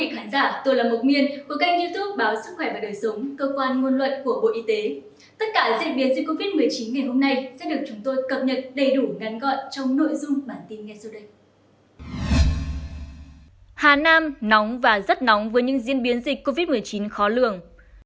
hà nam nóng và rất nóng với những diễn biến dịch covid một mươi chín khó lường